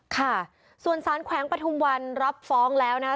ค่ะส่วนสารแขวงปฐุมวันรับฟ้องแล้วนะคะ